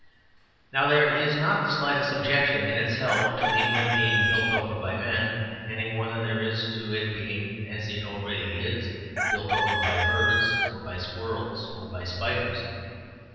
Now, there is not the slightest objection, in itself, to England being built over by men, any more than there is to its being (as it is already) built over by birds, or by squirrels, or by spiders.